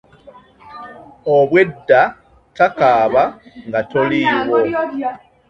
Obwedda takaaba nga toliiwo.